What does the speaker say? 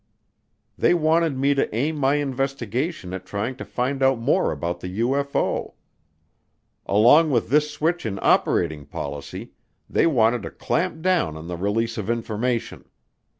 They wanted me to aim my investigation at trying to find out more about the UFO. Along with this switch in operating policy, they wanted to clamp down on the release of information.